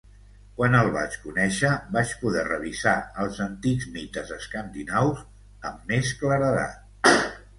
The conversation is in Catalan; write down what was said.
Quan el vaig conèixer, vaig poder revisar els antics mites escandinaus amb més claredat.